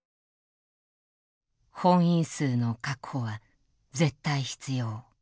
「本員数の確保は絶対必要」。